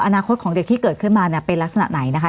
อนาคตของเด็กที่เกิดขึ้นมาเนี่ยเป็นลักษณะไหนนะคะ